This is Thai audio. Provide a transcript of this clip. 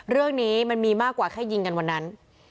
เรื่องนี้มันมีมากกว่าแค่ยิงกันวันนั้น